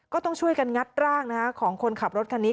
ก็ต้องช่วยกันงัดร่างของคนขับรถคันนี้